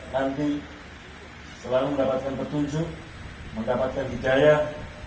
nanti selalu mendapatkan petunjuk mendapatkan hijayah